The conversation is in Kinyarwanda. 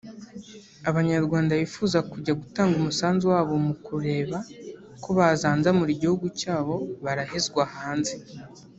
Abanyarwanda bifuza kujya gutanga umusanzu wabo mukureba ko bazanzamura igihugu cyabo barahezwa hanze